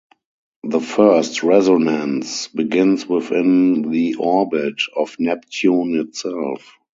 The first resonance begins within the orbit of Neptune itself.